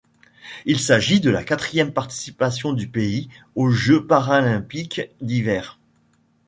Il s'agit de la quatrième participation du pays aux Jeux paralympiques d'hiver.